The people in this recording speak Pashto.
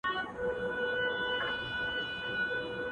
پوهېږې په جنت کي به همداسي ليونی یم;